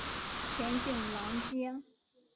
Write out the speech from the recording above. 全景廊街。